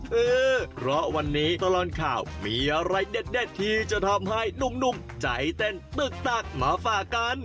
เออเพราะวันนี้ตลอดข่าวมีอะไรเด็ดที่จะทำให้หนุ่มใจเต้นตึกตักมาฝากกัน